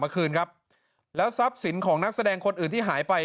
คืนครับแล้วทรัพย์สินของนักแสดงคนอื่นที่หายไป